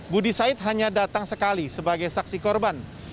budi said hanya datang sekali sebagai saksi korban